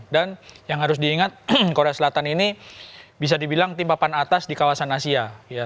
dan yang harus diingat korea selatan ini bisa dibilang timpapan atas di kawasan asia